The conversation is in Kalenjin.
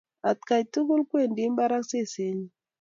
Atkan tukul kwendi imbar ak sesennyi.